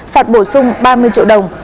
phạt bổ sung ba mươi triệu đồng